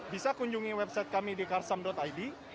bisa kunjungi website kami di karsam id